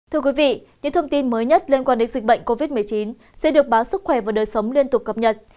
thưa quý vị những thông tin mới nhất liên quan đến dịch bệnh covid một mươi chín sẽ được báo sức khỏe và đời sống liên tục cập nhật